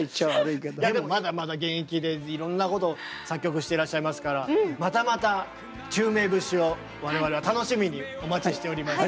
いやでもまだまだ現役でいろんなこと作曲していらっしゃいますからまたまた宙明節を我々は楽しみにお待ちしております。